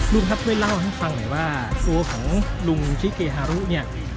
ลุงครับช่วยเล่าให้ฟังหน่อยว่าตัวของลุงชิเกฮารุเนี่ย